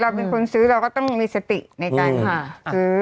เป็นคนซื้อเราก็ต้องมีสติในการหาซื้อ